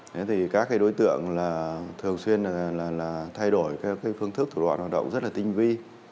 thế thì các cái đối tượng là thường xuyên là thay đổi các phương thức thủ đoạn hoạt động rất là tinh vi